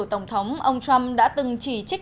tổng thống ông trump đã từng chỉ trích